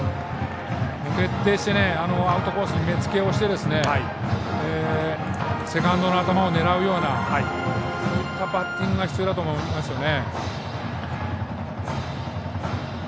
徹底してアウトコースに目付けをしてセカンドの頭を狙うようなバッティングが必要だと思いますよね。